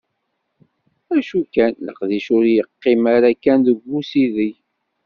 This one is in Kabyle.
Acu kan, leqdic ur yeqqim ara kan deg usideg.